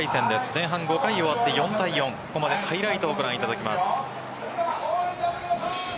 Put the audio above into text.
前半５回終わって、４対４ここまでのハイライトをご覧いただきます。